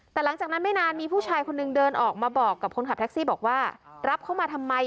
แต่หลังจากนั้นไม่นานมีผู้ชายคนนึงเดินออกมาบอกกับคนขับแท็กซี่บอกว่ารับเข้ามาทำไม